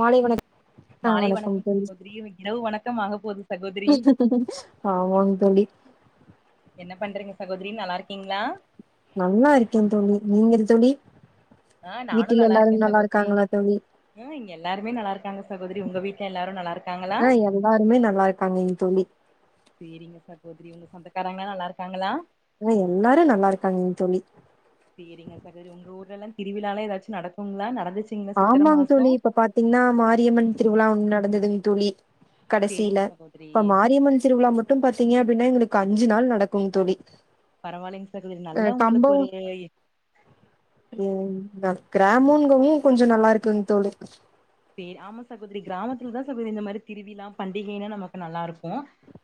மாலை வணக்க மாலை வணக்கம் சகோதரி இரவு வணக்கம் ஆக போகுது சகோதரி ஆமாங் தோழி என்ன பண்றிங்க சகோதரி நல்லாருக்கீங்களா நல்லா இருக்கே தோழி நீங்க தோழி ஆ வீட்டில் எல்லாரு நல்லா இருக்காங்களா தோழி ம் இங்க எல்லாருமே நல்லாருக்காங்க சகோதரி உங்க வீட்ல எல்லாரு நல்லாருக் ஆ எல்லாருமே நல்லா இருக்காங்கங் தோழி சேரிங்க சகோதரி உங்க சொந்தக்காராங்களா நல்லாருக்காங்களா ஆ எல்லாரு நல்லாருக்காங்க தோழி சேரிங்க சகோதரி உங்க ஊர்லல்லா திருவிழாலா எதாச்சு நடக்குங்ளா நடந்துச் ஆமாங் தோழி இப்ப பாத்தீங்ன்னா மாரியம்மன் திருவிழா ஒ நடந்ததுங் தோழி சேரிங்க கடைசியில சகோதரி இப்ப மாரியம்மன் திருவிழா முட் மட்டு பாத்தீங்க அப்டின்னா எங்களுக்கு அஞ்சு நாள் நடக்குங் தோழி பரவாயில்லைங் சகோதரி அ நல்லா உங்களுக் கம்பம் ஒரு ம் கிராமோங்கவு கொஞ்ச நல்லாருக்குங்தோழி சேரி ஆமா சகோதரி கிராமத்துலதா சகோதரி இந்த மாரி திருவிலா பண்டிகைன்னா நமக்கு நல்லாருக்கு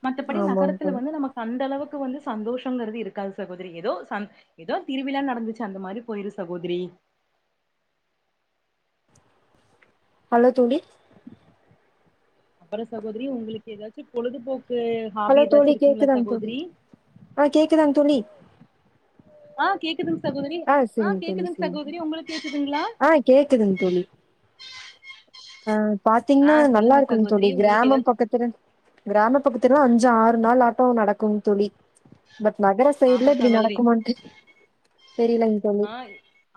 மத்தபடி ஆமாங் நகரத்துல தோழி வந்து நமக்கு அந்த அளவுக்கு வந்து சந்தோஷோங்கிறது இருக்காது சகோதரி எதோ சம் எதோ திருவிலா நடந்துச்சு அந்த மாரி போயிரு சகோதரி ஹலோ தோழி அப்பறோ சகோதரி உங்களுக்கு எதாச்சு பொழுதுபோக்கு ஹாபி ஹலோ தோழி ஏதாச்சு இருக்குங்களா கேக்குதாங் தோழி சகோதரி ஆ கேக்குதாங் தோழி ஆ கேக்குதுங்க சகோதரி ஆ சரிங் தோழி கேக்குதுங் சரிங் சகோதரி உங்ளுக் கேக்குதுங்களா ஆ கேக்குதுங் தோழி ஆ ஆ பாத்தீங்கன்னா நல்லா சொல்லுங்க இருக்குங் சகோதரி தோழி உங்களுக்கு கிராம ஏதாச்சு பக்கத் கிறன் கிராம பக்கத்துல்லலா அஞ்சு ஆறு நாள் ஆட்டோ நடக்குங் தோழி பட் நகர ஆமா செய்ட்ல இப்டி சகோதரி நடக்குமான்ட்டு தெரியலங் ஆ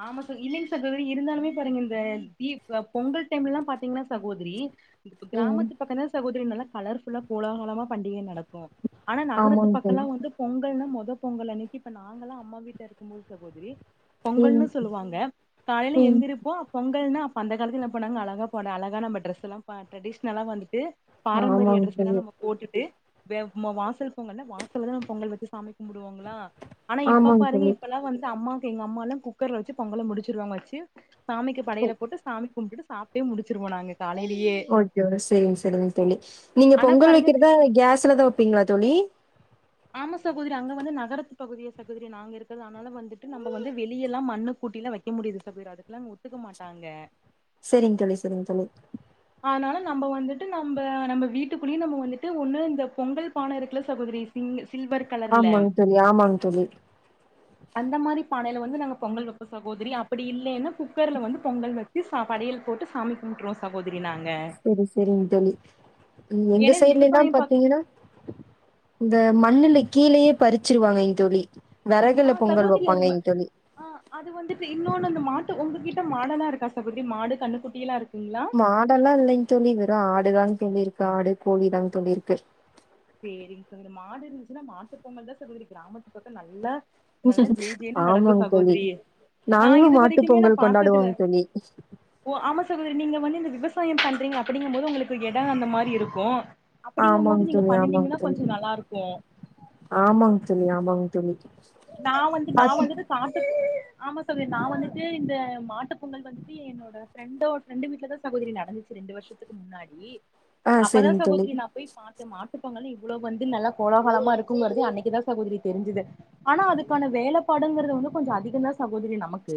ஆமா ச இல்லைங் சகோதரி இருந்தாலுமே பாருங்க இந்த தீ ப பொங்கல் டைம்லல்லா பாத்தீங்கன்னா சகோதரி ம் கிராமத்து பக்கோ தா சகோதரி நல்லா கலர்ஃபுல்லா கோலாகலமா பண்டிக நடக் ம் ஆனா நகரத்து ஆமாங் பக்கலா தோழி வந்து பொங்கல்ன்னா மொத பொங்கல்னா மொதல் பொங்கல் அன்னைக்கு இப்ப நாங்கெல்லா அம்மா வீட்ல இருக்குபோது சகோதரி பொங்கல்னு ம் சொல்லுவாங்க காலையில ம் எந்திரிப்போ பொங்கல்னா அப்ப அந்த காலத்து என்ன பன்னாங்க அழகா பொட அழகா நம்ம டிரெஸ்ல்லா ப ட்ரெடிஷ்னல்லா வந்துட்டு பாரம்பரிய ஆமாங் ட்ரெஸ் தா தோழி நம்ம போட்டுட்டு வே ம வாசல் பொங்கல்ன வாசல்லதா பொங்கல் வச்சு சாமி கும்புடுவாங்களா ஆனா இப்ப ஆமாங் பாருங்க தோழி இப்ப எல்லா வந்து அம்மாவுக்கு எங்க அம்மா எல்லா குக்கர்ல வச்சு பொங்கல முடிச்சுருவாங்க வச்சு சாமிக்கு ஓகே படையல போட்டு சாமி கும்பிட்டு சாப்ட்டே முடிச்சிருவோ நாங்க காலைலயே ஓகே செரிங்க செரிங்க தோழி நீங்க ஆனா பொங்கல் பாருங்க வெக்கிறதா கிறிஸ்- கேஸ்லதா வெப்பீங்களா தோழி ஆம சகோதரி அங்க வந்து நகரத்து பகுதிய சகோதரி நாங்க இருக்கது அதனால வந்துட்டு நம்ம வந்து வெளியல்லா மண்ணு கூட்டில வைக் க முடியுது சகோதரி அதுக்ல்லா ஒத்துக்க மாட்டாங்க சரிங் தோழி சரிங் தோழி ஆனாலு நம்ப வந்துட்டு நம்ப நம்ப வீட்டுக்குள்ளியே நம்ப வந்துட்டு ஒண்ணு இந்த பொங்கல் பான இருக்குல சகோதரி சிங் சில்வர் கலர்ல ஆமாங் தோழி ஆமாங் தோழி அந்த மாரி பானையில வந்து நாங்க பொங்கல் வெப்பொ சகோதரி அப்பிடி இல்லேன்ன குக்கர்ல வந்து பொங்கல் வெ கு ச படயல் போட்டு சாமி கும்ரோ சகோதிரி நாங்க சரி சரிங் தோழி எங்க ஏன்னா சைட்லல்லா விவசாயம் பாக்க பாத்தீங்கின்னா இந்த மண்ணுல கீழேயே பறிச்சிருவாங்கங் தோழி வெறகுல ஆ பொங்கல் சகோதரி அது வப்பாங்கங் தோழி ஆ அது வந்துட்டு இன்னொன்னு அந்த மாட்டு உங்ககிட்ட மாடல்லா இருக்கா சகோதரி மாடு கண்ணுக்குட்டி எல்லா இருக்குங்களா மாடெல்லா இல்லைங் தோழி வெறு ஆடுதாங் தோழி இருக்கு ஆடு கோழிதாங் தோழி இருக்கு சேரிங் சகோதரி மாடு இருந்துச்சுன்னா மாட்டு பொங்கல் தா சகோதரி கிராமத்து பக்க நல்லா நல்லா ஜே ஜேன்னு நடக்கு ஆமாங்க தோழி சகோதரி நா நாங்ளு இது மாட்டு வரைக்குமே நா பொங்கல் பாத்ததுல கொண்டாடுவோங்க தோழி ஓ ஆமா சகோதிரி நீங்க வந்து இந்த விவசாய பண்றீங்க அப்பிடிங்கு போது உங்களுக்கு எட அந்த மாரி இருக்கு ஆமாங் தோழி ஆமாங் தோழி நல்லாருக்கு ஆமாங் தோழி ஆமாங் தோழி நா வந்து நா பாத்து வந்துட்டு மாட்டு ஆமா சகோதிரி நா வந்துட்டு இந்த மாட்டு பொங்கல் வந்துட்டு என்னோட ப்ரெண்டோ ஃப்ரெண்டு வீட்டுல தா சகோதிரி நடந்துச்சி ரெண்டு வருஷத்துக்கு முன்னாடி ஆ அப்பதா சரிங்க தோழி சகோதிரி நா போய் பாத்த மாட்டுப்பொங்கலு இவ்ளோவு வந்து நல்ல கோலோகலமா இருக்குங்குறது அன்னக்கிதா சகோதிரி தெரிஞ்சிது ஆனா அதுக்கான வேலப்பாடுங்குறது வந்து கொஞ்ச அதிக தா சகோதிரி நமக்கு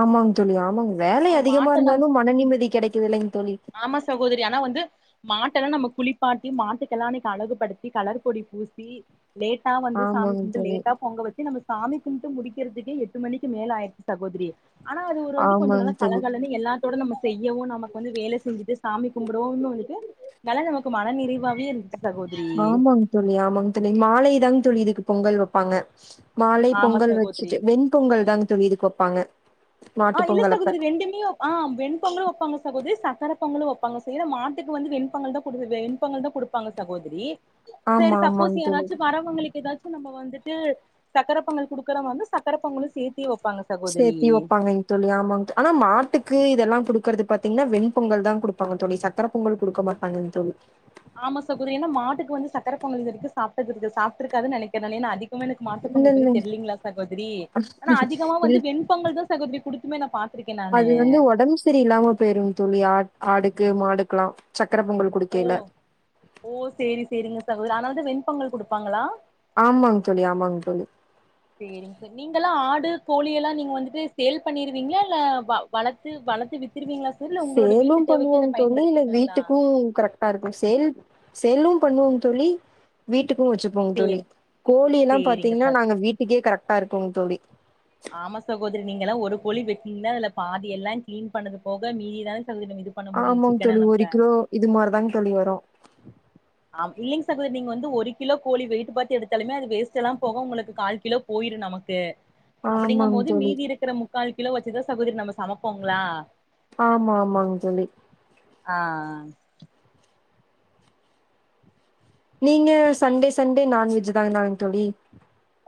ஆமாங் தோழி ஆமாங்க வேல ஆ அதிகமா மாட்ட நம்ம இருந்தாலு மன நிம்மதி கிடைக்குது இல்லேங்க தோழி சகோதிரி ஆனா வந்து மாட்டெல்லா நம்ம குளிப்பாட்டி மாட்டுக்கெல்லா அன்னக்கி அழகுபடுத்தி கலர் பொடி பூசி லேட்டா வந்து சாமி க் ஆமாங்க தோழி பொங்க வச்சி நம்ம சாமி கும்பிட்டு முடிக்குறதுக்கே எட்டு மணிக்கு மேல ஆயிடுச்சி சகோதிரி ஆனா அது ஒரு வந்து கொஞ்ச ஆமாங்க நல்ல தோழி கலகலனு எல்லா தோட நம்ம செய்யவு நமக்கு வந்து வேல செஞ்சிட்டு சாமி கும்பிடவுனு வந்துட்டு வேல நமக்கு மன நிறைவாவே இருந்ச் ஆமாங் தோழி ஆமாங்க தோழி மாலைதாங் தோழி இதுக்கு பொங்கல் வப்பாங்க மாலை ஆமா பொங்கல் சகோதரி வச்ட்டு வெண் பொங்கல் தாங் தோழி இதுக்கு வப்பாங்க ஆ மாட்டு இல்ல பொங்கல் அப்ப சகோதிரி ரெண்டுமியு ஆ வெண்பொங்கலு வப்பாங்க சகோதிரி சக்கர பொங்கலு வப்பாங்க சோ எனா மாட்டுக்கு வந்து வெண்பொங்கல் தா குடு வெண்பொங்கல் தா கொடு ப்பாங்க சகோதிரி ஆமா சேரி ஆமாங்க சப்போஸ் தோழி யாராச்சி வரவுங்களுக்கு ஏதாச் நம்ம வந்துட்டு சக்கர பொங்கல் குடுக்கறவ வந்து சக்கர பொங்கலு சேத்தே வப்பாங்க சேத்தி ஒப்பாங்கை தோழி ஆமாங்ஆனா மாட்டுக்கு இதெல்லா குடுக்குறது பாத்தீங்ன்னா வெண்பொங்கல் தா குடுப்பாங்க தோழி சக் கர பொங்கல் குடுக்க மாட்டாங்கன் தோழி ஆமா சகோதிரி ஏனா மாட்டுக்கு வந்து சக்கர பொங்கல் இதுவரைக்கு சாப்டதுக்கு சாப்ட்டு இருக்காதுன்னு நெனைக்கிறே ஏனா அதி குமனுக்கு இல்ல மாட்டுபொங்கல் பத்தி இல்ல தெரிலீங்களா சகோதிரி ஆனா அதிகமா வந்து இல் வெண் பொங்கல் தா சகோதிரி குடுத்துமே நா பாத் அது வந்து ஒடம்பு சரி இல்லாம போயிருங் தோழி ஆ ஆடுக்கு மாடுக்லா சக்கர பொங்கல் ஓ குடுக்கையில ஓ சேரி சேரிங்க சகோதிரி அனால தா வெண்பொங்கல் குடுப்பாங்களா ஆமாங் தோழி ஆமாங்க தோழி சேரிங் செ நீங்கல்லா ஆடு கோழி எல்லா நீங்க வந்துட்டு சேல் பண்ணிருவீங்களா இல்ல வளத்து வளத்து வித்துருவீங்களா ச சேலு பண்ணுவோங் தோழி இல்ல வீட்டுக்கு கரெக் டாருக்கு சேல் சேலு பண்ணுவோ தோழி வீட்டுக்கு வச்சுப் போங் தோழி சேரி கோழி எல்லா சேரிங்க பாத்தீங்ன்னா சகோ நாங்க வீட்டுக்கே கரெக்டா இருக்கோங்க தோழி ஆமா சகோதிரி நீங்க எல்லா ஒரு கோழி வெட்டீங்னா இல்ல பாதி எல்லா கிளீன் பண்ணது போக மீதிதானே சகோதிரி நம்ம இது பண்ண முடியு ஆமாங்க சிக்கன தொழி நம்ப ஒரு கிலோ இது மாரிதாங்க தொழி வரு ஆப்டி ல்லேங் சகோதிரி நீங்க வந்து ஒரு கிலோ கோழி வெயிட்டு பாத்து எடுத்தாலுமே அது வேஸ்ட் எல்லா போக உங்களுக்கு கால் கிலோ போயிரு நமக்கு ஆமாங்க அப்டிங்கம்போது தோழி மீதி இருக்குற மு க்கால் கிலோ வச்சுதா சகோதிரி நம்ம சமப்போங்ளா ஆமா ஆமாங் தோழி ஆ ஆ நீங்க சண்டே சண்டே நான்வெஜ் தான்னாங் தோழி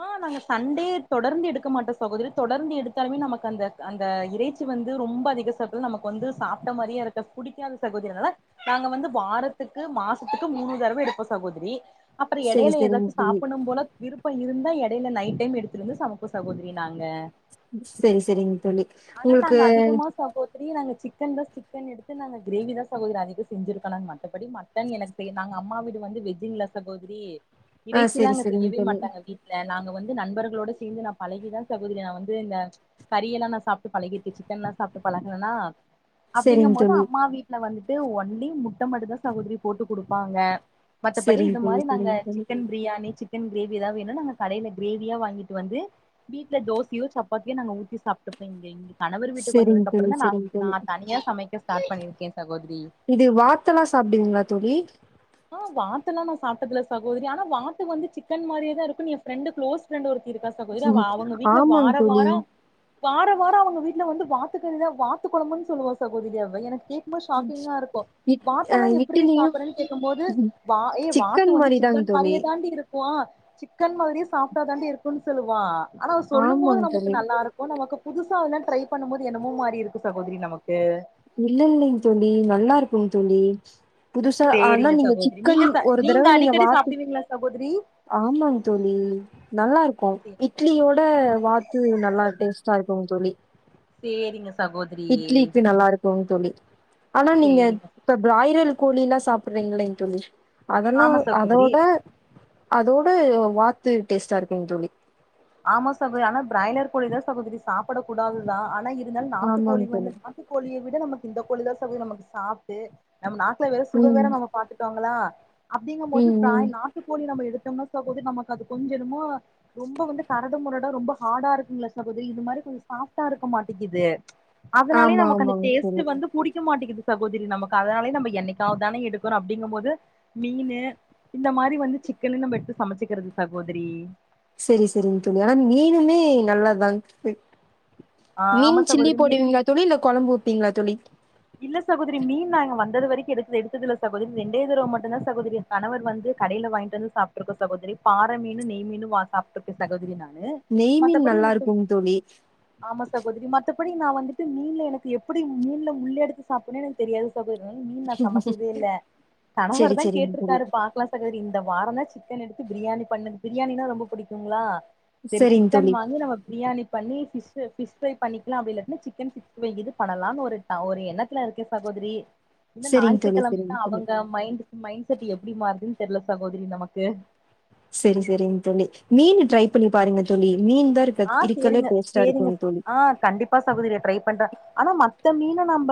ஆ நாங்க சண்டே தொடர்ந்து எடுக்க மாட்டோ சகோதரி தொடர்ந்து எடுத்தாலுமே நமக்கு அந்த அந்த இறைச் ச்சி வந்து ரொம்ப அதிக சத்து நமக்கு வந்து சாப்ட்ட மாரியே இருக்கா புடிக்காது சகோதரி அதனால நாங்க வந்து வாரத்துக்கு மாசத்துக்கு மூணு தடவ எடுப்போ சகோதரி அப்றோ செரி எடையில செரிங்க ஏதாச்சு தோழி சாபட்னோ போல இருக் இருந்தா எடையில நைட் டைம் எடுத்துட்டு வந்து சமைப்போ சகோதரி நாங்க செரி செரிங்க தோழி உங்களுக்கு தரி நாங்க சிக்கன் தா சிக்கன் எடுத்து நாங்க கிரேவி தா சகோதரி அதிக செஞ்சிருக்கோ மத்தபடி இருந்தாலூ எனக்கு செய் நாங்க அம்மா வீடு வந்து வெஜ்ஜிங்லா சகோதரி ஆ இறைச்சிலா செரி அங்க செரிங்க செய்யவே தோழி மாட் வீட்ல நாங்க வந்து நண்பர்களோட சேர்ந்து நா பழகிதா சகோதரி நா வந்து இந்த கறியெல்லா நா சாப்ட்டு பழகிட்டு சிக்கன்ல்லா சாப்ட்டு பழகணேன்னா அப்டிங்கு செரிங்க போது தோழி அம்மா வீட்ல வந்துட்டு ஒன்லி முட்ட மட்டுதா சமச்சி போட்டு குடுப்பாங்க மத்தபடி செரிங்க இது தோழி மாரி நாங்க செரிங்க தோழி chicken biryani chicken gravy ஏதாவது வேணு நாங்க கடயில கிரேவியா வாங்கிட்டு வந்து வீட்ல தோசையோ சப்பாத்தியோ நாங்க ஊத்தி சாப்ட்டுப்போ இங்கே இங் கணவர் வீட்டுக்கு செரிங்க வந்தது அப்றோ தோழி தா செரிங்க நா தோழி தனியா சமைக்க ஸ்டார்ட் பண்ணியிருக்கே சகோதரி இது வாத்தல்லா சாப்பிடுவிங்களா தோழி ஆ வாத்தல்லா நா சாப்ட்டதில்ல சகோதரி ஆனா வாத்து வந்து சிக்கன் மாரியேதா இருக்கூ எ ஃப்ரெண்டு க்ளோஸ் ப்ரெண்டு ஒருத்தீ இருக்கா சகோதரி அவ அவங்க வீட்ல ஆமாங் வாரோ தோழி வாரோ வார வாரோ அவங்க வீட்ல வந்து வாத்துக்கறிதா வாத்து கொழம்புன்னு சொல்லுவா சகோதரி அவ எனக்கே ரொம்ப ஷாக்கிங்கா இருக்கூ இட் அ வாத்தெல்லா எப்டி இட்லியு சாப்பறேன்னு கேக்கும்போது ஏ வாத்து சிக்கன் வந்து மாரிதாங் சிக்கன் தோழி மாறியே தாண்டி இருக் போ சிக்கன் மாதிரியே சாஃப்ட்டா தாண்டி இருக்கோ சொல்லுவா அ ஆனா சொல்லும் போது ஆமாங் நமக்கு தோழி நல்லாருக் க்கு நமக்கு புதுசா அதெல்லா ட்ரை பண்ணுபோது என்னமோ மாறி இருக்கூ சகோதரி நமக்கு இல்லங் நீங் தோழி நல்லா இருக்கோ தோழி புதுசா ஆனா சேரிங்க நீங்க சகோதரி சிக்கன் நீங்க ச ஒரு தடவ நீங்க அடிக்கடி வாத் சாப்டுவீங்களா சகோதரி ஆமாங் தோழி நல்லா இருக்கோ இட்லியோட வாத்து நல்லா டேஸ்டா இருக்குங் தோழி சேரிங்க சகோதரி இட்லிக்கு நல்லா இருக்கோ தோழி ஆனா நீங்க சேரிங்க இப்ப பிராய்ரல் கோழில்லா சாப்றீங்களேங்க தோழி அதெல்லா ஆமா சகோதரி அதவுட அதோடு வாத்து டேஸ்ட்டா இருக்குங் தோழி ஆமா சகோதரி ஆனா பிராய்லர் கோழி தா சகோதரி சாப்ட கூடாதுதா ஆனா இருந்தாலு நாட்டு கோழி ஆமாங் வந்து தோழி நாட்டு கோழிய விட நமக்கு இந்த கோழி தா நமக்கு சாஃப்ட்டு நம்ம நாக்குல வேற சுவ வேற ம் நமக்கு பாத்துட்டோங்களா அப்டிங்கு போது ம் ம் பிராய் நா ட்டு கோழி நம்ம எடுத்தோம்னா சகோதரி நமக்கு அது கொஞ்சொ என்னமா ரொம்ப வந்து கரடு மொரடா ரொம்ப ஹார்டா இருக்குங்களா சகோதரி இது மாதிரி கொஞ்சோ சாஃப்டா இருக்க மாட்டேங்கிது அதனாலயே ஆமா நமக்கு அந்த ஆமாங்க டேஸ்ட் தோழி வந்து புடிக்க மாட்டேகுது சகோதரி நமக்கு அதனாலயே நம்ம என்னிக்காவது தான எடுக்கறோ அப்டிங்க போது மீனு இந்த மாதிரி வந்து சிக்கன எடுத்து சமைச்சுக்கிறது சகோதரி சொரி சொரிங் தோழி ஆனா மீனுமே நல்லத்தாங் ஆ மீன் ஆமா சில்லி சகோதரி மீ போடுவீங்களா தோழி இல்ல குழம்பு ஊத்து வீங்களா தோழி இல்ல சகோதரி மீன் நாங்க வந்தது வரைக்கோ எடுக்கல எடுத்ததில்ல சகோதரி ரெண்டே ரெண்டு தடவ மட்டுந்தா சகோதரி கணவர் வந்து கடையில வாங்கிட்டு வந்து சாப்பிட்றது சகோதரி பாற மீன் நெய் மீன் வா சாப் சகோதரி நானூ நெய்மீன் நல்லா இருக்குங் தோழி ஆமா சகோதிரி மத்தபடி நா வந்துட்டு மீன்ல எனக்கு எப்புடி மீன்ல முள்ள எடுத்து சாப்புட்னே எனக்கு தெரியாது சகோத்ரி மீன் நா சமச்சதே இல்ல சரி கணவர் தா சரிங்க தோழி கேட்ருக்காரு பாக்கலா சி சகோதிரி இந்த வாரொந் தா சிக்கன் எடுத்து பிரியாணி பண்ணுது பிரியாணினா ரொம்ப புடிக்குங்ளா நேந் சரிங்க சிக்கன் தோழி வாங்கி நம்ம பிரியாணி பண்ணி ஃபிஸ்ஸு ஃபிஸ் பிரை பண்ணிக்கலா அப்டி இல்லாட்டினா சிக்கன் சிக்ஸ்டி ஃபை இது பண்ணலானு ஒரு ட ஒரு எண்ண எண்ணத்துல இருக்கே சகோதிரி இன்ன சரிங்க தோழி சரிங்க ஞாயித்துக்கெழமனா தோழி அவுங்க மைண்ட் மைண்ட் செட் எப்டி மாறுதுன்னு தெரில சகோதிரி நமக்கு செரி செரிங் தோழி மீன் ட்ரை பண்ணி பாருங்க தோழி மீன் தா இரு ஆ சேரிங்க சேரிங்க ஆ கண்டிப்பா சகோதிரி ட்ரை பண்றே ஆனா மத்த மீன நம்ப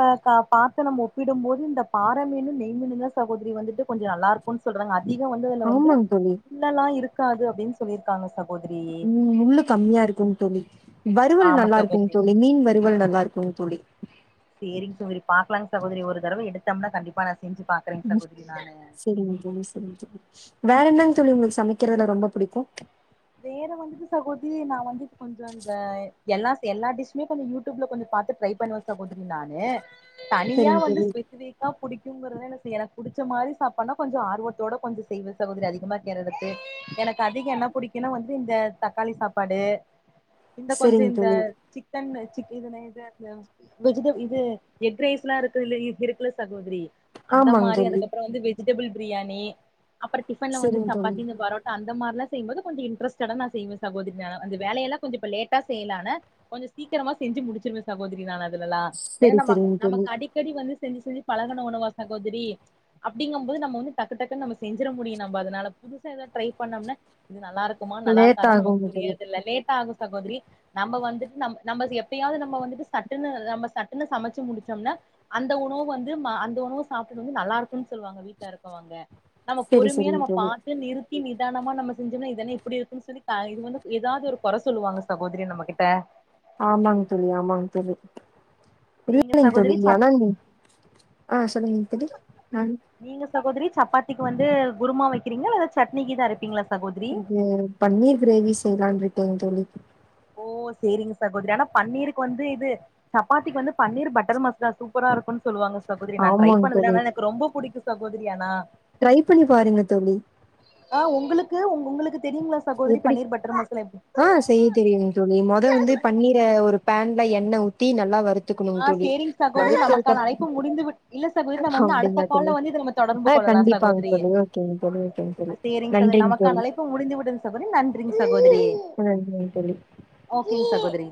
பாத்து நம்ம ஒப்பிடும் போது இந்த பாற மீனு நெய்மீனுதா சகோதிரி வந்துட்டு கொஞ்சொ நல்லா இருக்கு சொல்றாங்க அதிகொ வந்து அதுல வந்து ஆமாங்க தோழி முள்ளலா இருக்காது அப்டின்னு சொல்லிருக்காங்க சகோதிரி ம் முள்ளு கம்மியா இருக்குங் தோழி வறுவல் ஆமா நல்லா இருக்குங் சகோதரி தோழி மீன் வறுவல் நல்லா இருக்குங் தோழி சேரிங்க சகோத்ரி பாக்கலாங் சகோதிரி ஒரு தடவ எடுத்தம்னா கண்டிப்பா நா செஞ்சு பாக்குறேங் சகோதிரி நானு சேரிங்க தோழி செரிங் தோழி வேற என்னங் தோழி உங்களுக்கு சமைக்கிறதுல ரொம்ப புடிக்கு வேற வந்துட்டு சகோதிரி நா வந்து கொஞ்சொ இந்த எல்லா எல்லா டிஷுமே கொஞ்சொ யூ டூப்ல கொஞ்சொ பாத்து ட்ரை பண்ணுவே சகோதிரி நானு தனியா சரிங்க வந்து தோழி ஸ்பெசிஃபிக் கா புடிக்குங்கறத எனக் [unintelligible] புடுச்ச மாரி சாப்பாட்னா கொஞ்சொ ஆர்வத்தோட கொஞ்சொ செய்வே சகோதிரி அதிகமா திங்கிறதுகு எனக்கு அதிக என்ன புடிக் கினா வந்து இந்த தக்காளி சாப்பாடு இந்த கொஞ்சொ சரிங்க இந்த தோழி சிக் சிக்கன் வெச்சுக் [unintelligible] வெஜிடப் இது எக் ரைஸ்ல்லா இருக்கு இல்ல இருக்குல சகோதிரி அந்த ஆமாங்க மாரி தோழி அதுக்கப்பறொ வந்து வெஜிடபிள் பிரியாணி அப்பறொ டிஃபன்ல வந்து சரிங்க தோழி சப்பாத்தி இந்த பரோட் அந்த மாரில்லா செய்யும் போது கொஞ்சொ இன்டரஸ்டடா நா செய்வே சகோதிரி நா அந்த வேலையெல்லா கொஞ்சொ இப்ப லேட்டா செய்யலான்னு கொஞ்சொ சீக்கரமா செஞ்சு முடிச்சுருவே சகோதிரி நான் அதுலலா ஏன்னா சரி நம்ம சரிங்க தோழி நமக்கு அடிக் அடிக்கடி வந்து செஞ்சு செஞ்சு பழகுன உணவா சகோதிரி அப்டிங்கம் போது நம்ம வந்து டக்கு டக்குன் நம்ம செஞ்சுற முடியு நம்ப அதுனால புதுசா எதாவ் ட்ரை பண்ணோம்னா இது நல்லா இருக்குமா நல்லா லேட் இருக்காதான்னு நமக்கு ஆகுங்க தோழி புரியாதுல்ல லேட்டா ஆகு சகோதிரி நம்ப வந்துட்டு நம் நம்ம எப்பயாது நம்ம வந்துட்டு சட்டுன்னு நம்ம சட்டுன்னு சமச்சு முடுச்சொம்னா அந்த உணவு வந்து ம அந்த உணவு சாப்ட்டு வந்து நல்லா இருக்குன்னு சொல்வாங்க வீட்ல இருக்கவங்க நம்ம சரி பொறுமையா சரிங்க நம்ம தோழி பாத்து நிறுத்தி நிதானமா நம்ம செஞ்சன்னா இதென்ன இப்டி இருக்குன்னு சொல்லி த இது வந்து ஏதாவ்து ஒரு கொற சொல்லுவாங்க சகோதிரி நம்ம கிட்ட ஆமாங்க தோழி ஆமாங்க தோழி நீங்க இல்லைங் தோழி சகோதரி சப் ஆனா நீ ஆ சொல்லுங்க தோழி நீங்க சகோதிரி சப்பாத்திக்கு வந்து குருமா வக்கிறீங்கள இல்ல சட்னிகிது அரப்பீங்ளா இது பன்னீர் கிரேவி செய்யலான் இருக்கேங் தோழி ஓ சேரிங்க சகோதிரி ஆனா பன்னீருக்கு வந்து இது சப்பாத்திக்கு வந்து பன்னீர் பட்டர் மசாலா சூப்பரா இருக்குன் சொல்லுவாங்க சகோதிரி நா ட்ரை ஆமாங்க பண்ணதுல்ல தோழி ஆனா எனக்கு ரொம்ப புடிக்கு சகோதிரி ஆனா ட்ரை பண்ணி பாருங்க தோழி ஆ உங்களுக்கு உ உங்களுக்கு தெரியுங்ளா எப்டி ஆ செய்ய தெரியுங்க தோழி மொத வந்து பண்ணீர ஒரு பேன்ல எண்ண ஊத்தி நல்லா வரு த்துக்கணுங் ஆ தோழி சேரிங் சகோதரி வருத்ததுக்கு நமக்கான அழைப்பு முடிந்து விட் இல்ல சகோதரி நம்ம அப் வந்து அடுத்த அப்டிங்ளா தோழி கால்ல வந்து இத நம்ம தொடர்பு அ கொள்ளலா கண்டிப்பாங் சகோதரி தோழி ஓகேங் தோழி ஓகேங் தோழி நன்றிங் தோழி இப்போ முடிந்துவிடும் சகோதரி நன்றி ங் சகோதிரி ஆ நன்றிங் தோழி ஓகேங் சகோதரி